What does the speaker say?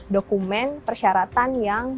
dokumen persyaratan yang